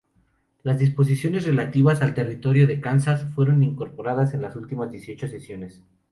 Las disposiciones relativas al Territorio de Kansas fueron incorporados en las últimas dieciocho secciones.